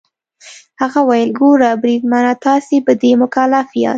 هغه وویل: ګوره بریدمنه، تاسي په دې مکلف یاست.